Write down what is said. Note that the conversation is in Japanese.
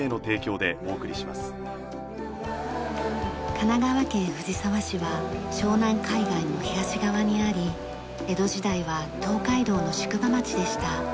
神奈川県藤沢市は湘南海岸の東側にあり江戸時代は東海道の宿場町でした。